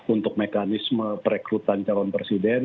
untuk mekanisme perekonomian